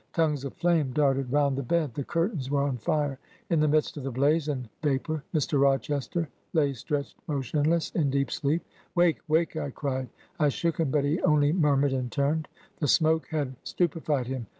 Tongues of flame darted round the bed : the curtains were on fire. In the midst of the blaze and vapor Mr. Rochester lay stretched motionless, in deep sleep. 'Wake, wake I' I cried. I shook him, but he only murmured and turned : the smoke had stupefied him.